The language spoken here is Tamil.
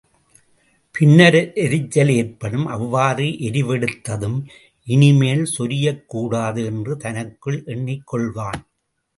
பின்னர் எரிச்சல் ஏற்படும் அவ்வாறு எரிவெடுத்ததும் இனிமேல் சொரியக்கூடாது என்று தனக்குள் எண்ணிக்கொள்வான்.